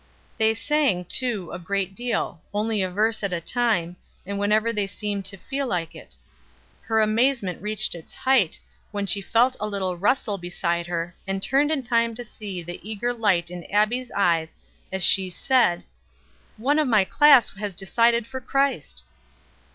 They sang, too, a great deal, only a verse at a time, and whenever they seemed to feel like it. Her amazement reached its hight when she felt a little rustle beside her, and turned in time to see the eager light in Abbie's eyes as she said: "One of my class has decided for Christ."